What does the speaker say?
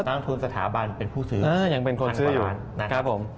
ตั้งทุนสถาบันเป็นผู้ซื้อ๑๐๐๐กว่าล้าน